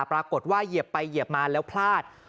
ปรากฏว่าเหยียบไปเหยียบมาแล้วพลาด